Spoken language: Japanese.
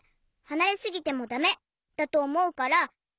はなれすぎてもだめだとおもうから②ばん！